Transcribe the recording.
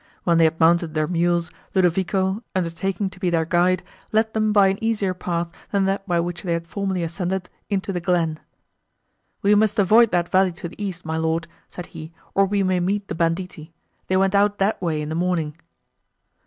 When they had mounted their mules, Ludovico, undertaking to be their guide, led them by an easier path, than that by which they had formerly ascended, into the glen. "We must avoid that valley to the east, my Lord," said he, "or we may meet the banditti; they went out that way in the morning."